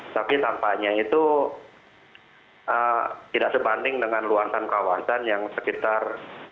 tapi tampaknya itu tidak sebanding dengan luasan kawasan yang sekitar